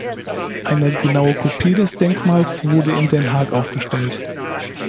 Eine genaue Kopie des Denkmals wurde in Den Haag aufgestellt.